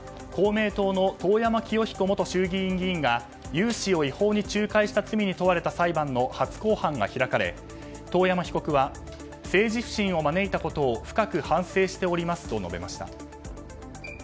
公明党の遠山元彦元衆議院議員が融資を違法に仲介した罪に問われた裁判の初公判が開かれ遠山被告は政治不信を招いたことを深く反省しておりますと述べました。